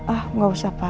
ah nggak usah pa